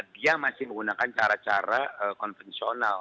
dia masih menggunakan cara cara konvensional